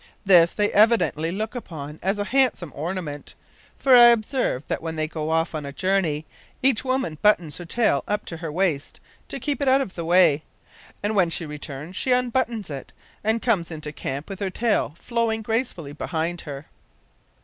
This they evidently look upon as a handsome ornament, for I observe that when they go off on a journey, each woman buttons her tail up to her waist, to keep it out of the way, and when she returns she unbuttons it, and comes into camp with her tail flowing gracefully behind her!